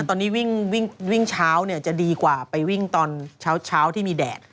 ตอนนี้วิ่งเช้าจะดีกว่าไปวิ่งตอนเช้าที่มีแดด